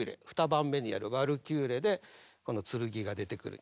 ２番目にやる「ワルキューレ」でこの剣が出てくる。